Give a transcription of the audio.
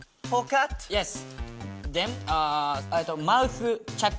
イエス！